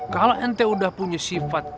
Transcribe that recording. kalau ente udah punya sifat